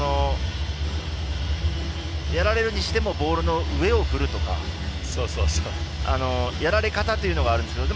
やられるにしてもボールの上を振るとかやられ方というのがあると思います。